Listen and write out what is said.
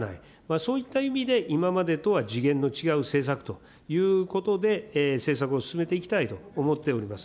そういった意味で、今までとは次元の違う政策ということで、政策を進めていきたいと思っております。